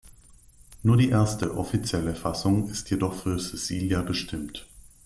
Nur die erste, offizielle Fassung ist jedoch für Cecilia bestimmt.